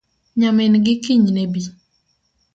Nyamingi kiny nebii